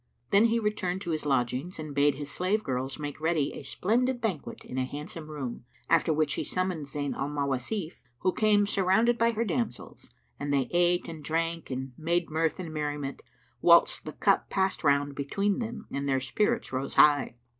Then he returned to his lodgings and bade his slave girls make ready a splendid banquet in a handsome room; after which he summoned Zayn al Mawasif who came surrounded by her damsels, and they ate and drank and made mirth and merriment, whilst the cup passed round between them and their spirits rose high.